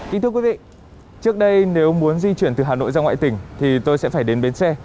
ý thưa quý vị trước đây nếu muốn di chuyển từ hà nội ra ngoại tỉnh thì tôi sẽ phải đến bến xe